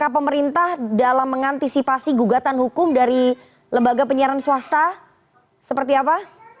pemerintah dalam mengantisipasi gugatan hukum dari lembaga penyiaran swasta seperti apa